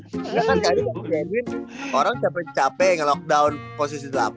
kan kan kaya edwin orang capek capek nge lockdown posisi delapan